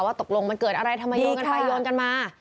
ตกลงมันเกิดอะไรทำไมโยนกันไปโยนกันมา